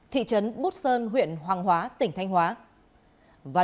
thị trấn bút sơn huyện hoàng hóa tỉnh thanh hóa